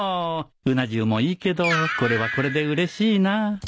うな重もいいけどこれはこれでうれしいな